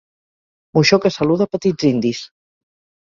Moixó que saluda petits indis.